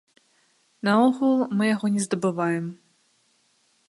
Наогул, мы яго не здабываем.